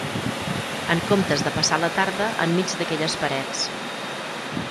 En comptes de passar la tarde en mig d'aquelles parets